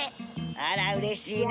あらうれしいね。